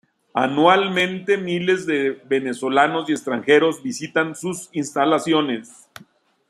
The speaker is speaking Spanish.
Anualmente miles de Venezolanos y Extranjeros visitan sus instalaciones.